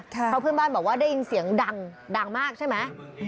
เพราะเพื่อนบ้านบอกว่าได้ยินเสียงดังดังมากใช่ไหม